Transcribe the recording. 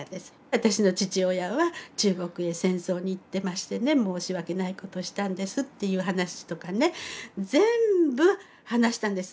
私の父親は中国へ戦争に行ってましてね申し訳ないことをしたんですっていう話とかね全部話したんです